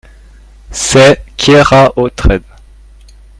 C'est Keraotred.